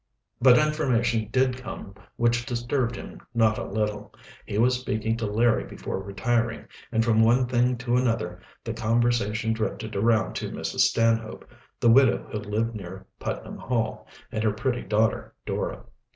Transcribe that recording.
But information did come which disturbed him not a little. He was speaking to Larry before retiring, and from one thing to another the conversation drifted around to Mrs. Stanhope, the widow who lived near Putnam Hall, and her pretty daughter Dora.